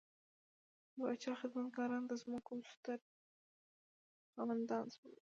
د پاچا خدمتګاران د ځمکو ستر خاوندان شول.